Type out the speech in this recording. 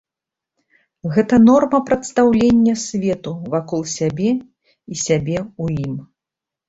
Гэта норма прадстаўлення свету вакол сябе і сябе ў ім.